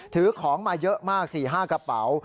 ถือของมาเยอะมาก๔๕กระเป๋า